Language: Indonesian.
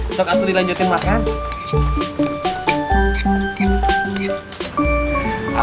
besok aku dilanjutin makan